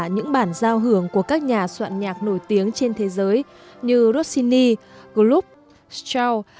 những bản giao hưởng của các nhà soạn nhạc nổi tiếng trên thế giới như rossini gloop strauss